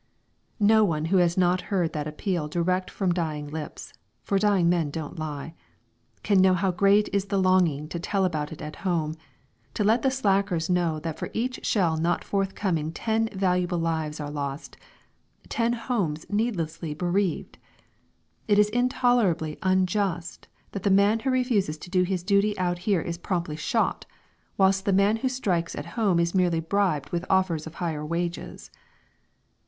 No one who has not heard that appeal direct from dying lips (for dying men don't lie) can know how great is the longing to tell about it at home to let the slackers know that for each shell not forthcoming ten valuable lives are lost, ten homes needlessly bereaved. It is intolerably unjust that the man who refuses to do his duty out here is promptly shot, whilst the man who strikes at home is merely bribed with offers of higher wages.